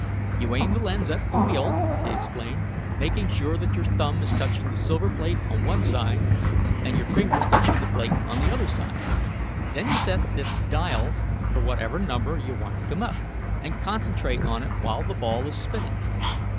"You aim the lens at the wheel," he explained, "making sure that your thumb is touching the silver plate on one side, and your fingers touching the plate on the other side. Then you set this dial for whatever number you want to come up and concentrate on it while the ball is spinning.